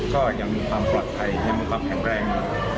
ก็ยังมีความปลอดภัยยังมีความแข็งแรง